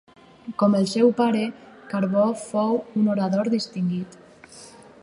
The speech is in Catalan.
Com el seu pare, Carbo fou un orador distingit.